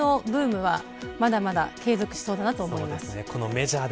野球のブームは、まだまだ継続しそうだなと思います。